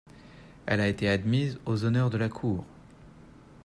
Elle a été admise aux honneurs de la cour.